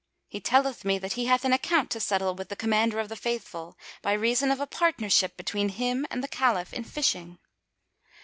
He telleth me that he hath an account to settle with the Commander of the Faithful, by reason of a partnership between him and the Caliph in fishing."